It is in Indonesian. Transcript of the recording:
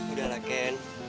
udah lah ken